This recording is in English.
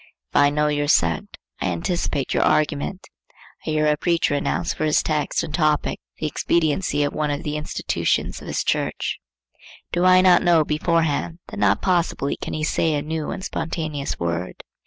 If I know your sect, I anticipate your argument. I hear a preacher announce for his text and topic the expediency of one of the institutions of his church. Do I not know beforehand that not possibly can he say a new and spontaneous word?